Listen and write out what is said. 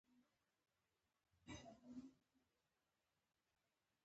راز صيب د فلسفې د يو پخواني تصور هايلو زوييزم پلوی و